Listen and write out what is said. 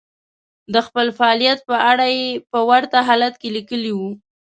د خپل فعاليت په اړه يې په ورته حالت کې ليکلي وو.